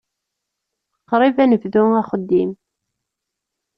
Qrib ad nebdu axeddim.